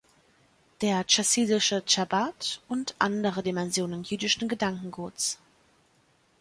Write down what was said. Der chassidische Chabad und andere Dimensionen jüdischen Gedankenguts.